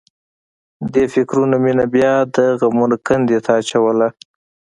دې فکرونو مينه بیا د غمونو کندې ته اچوله